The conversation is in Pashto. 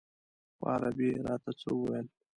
په عربي یې راته څه وویل.